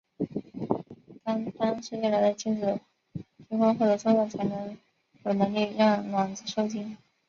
当刚射进来的精子经过获能作用才有能力让卵子授精。